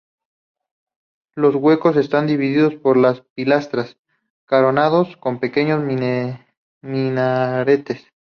Los huecos están divididos por pilastras, coronados con pequeños minaretes.